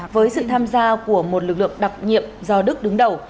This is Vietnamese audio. với sự tham gia của một lực lượng đặc nhiệm do đức đứng đầu